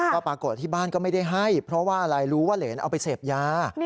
ก็ปรากฏที่บ้านก็ไม่ได้ให้เพราะว่าอะไรรู้ว่าเหรนเอาไปเสพยา